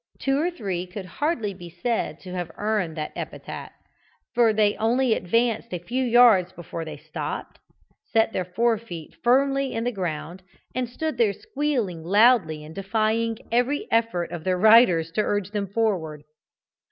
Two or three could hardly be said to have earned that epithet, for they only advanced a few yards before they stopped, set their fore feet firmly in the ground and stood there squealing loudly and defying every effort of their riders to urge them forward.